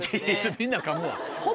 みんなかむわ。